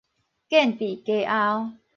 建置家後